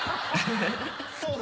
そうだ。